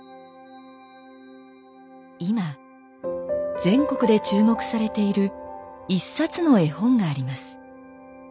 今全国で注目されている一冊の絵本があります。